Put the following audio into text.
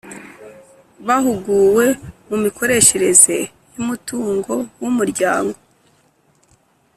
Bahuguwe ku mikoreshereze y’umutungo w’umuryango